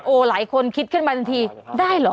โอ๊ะหลายคนคิดขึ้นบางทีได้หรอ